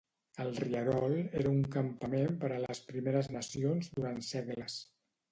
El rierol era un campament per a les Primeres Nacions durant segles.